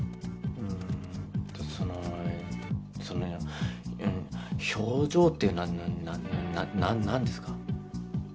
うんとそのそのうん表情っていうのはななな何ですか？